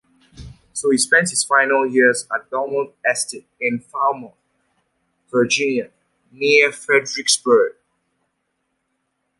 He spent his final years at Belmont Estate in Falmouth, Virginia, near Fredericksburg.